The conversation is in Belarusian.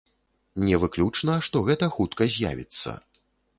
Не выключна, што гэта хутка з'явіцца.